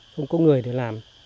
không có người để làm